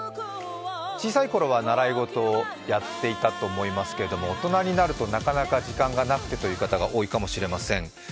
小さいころは習い事をやっていたと思いますけれども大人になるとなかなか時間がなくてという方も多いかもしれません。